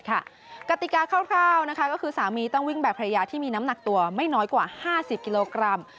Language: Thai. กติกาคร่าวก็คือสามีต้องวิ่งแบบภรรยาที่มีน้ำหนักตัวไม่น้อยกว่า๕๐กิโลกรัม